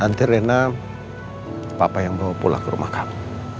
andin akan menjadi ayah yang bawa pulang ke rumah kamu